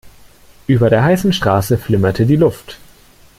Über der heißen Straße flimmerte die Luft.